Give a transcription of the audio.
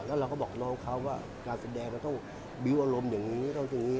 แล้วเราก็บอกน้องเขาว่าการแสดงเราต้องบิ้วอารมณ์อย่างนี้